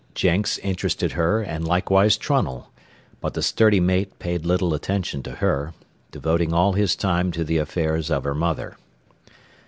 Jenks interested her and likewise Trunnell; but the sturdy mate paid little attention to her, devoting all his time to the affairs of her mother.